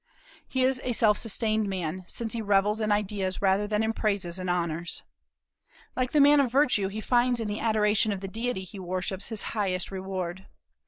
He is a self sustained man, since he revels in ideas rather than in praises and honors. Like the man of virtue, he finds in the adoration of the deity he worships his highest reward.